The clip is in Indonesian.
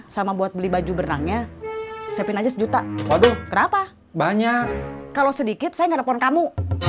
sama buat beli baju berenangnya siapin aja sejuta waduh kenapa banyak kalau sedikit saya nelpon kamu